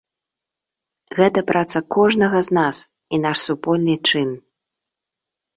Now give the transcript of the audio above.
Гэта праца кожнага з нас і наш супольны чын.